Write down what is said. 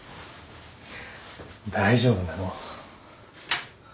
大丈夫なの？